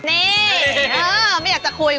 นี่ไม่อยากจะคุย